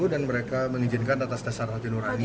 dan mereka mengizinkan atas dasar hati nurani